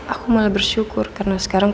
aku malah bersyukur karena sekarang